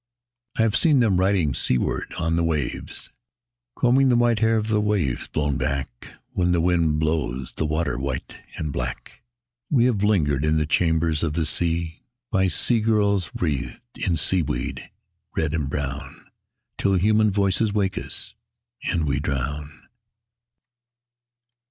I have seen them riding seaward on the waves Combing the white hair of the waves blown back When the wind blows the water white and black. We have lingered in the chambers of the sea By sea girls wreathed with seaweed red and brown Till human voices wake us, and we drown.